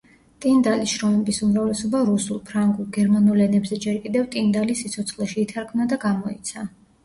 ტინდალის შრომების უმრავლესობა რუსულ, ფრანგულ, გერმანულ ენებზე ჯერ კიდევ ტინდალის სიცოცხლეში ითარგმნა და გამოიცა.